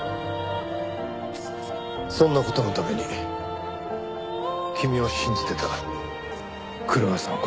そんな事のために君を信じていた黒岩さんを殺したのか？